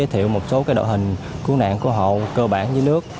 hướng dẫn bơi cứu nạn cứu hộ dưới nước